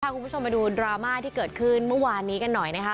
คุณผู้ชมมาดูดราม่าที่เกิดขึ้นเมื่อวานนี้กันหน่อยนะคะ